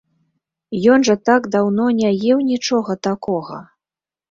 Ён жа так даўно не еў нічога такога!